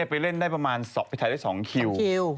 ไปเล่นได้ประมาณ๒คิว